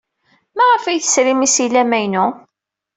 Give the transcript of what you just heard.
Maɣef ay tesrim isili amaynu?